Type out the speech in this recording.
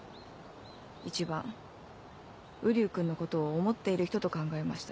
一番瓜生君のことを思っている人と考えました。